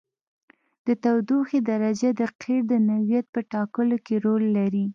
د تودوخې درجه د قیر د نوعیت په ټاکلو کې رول لري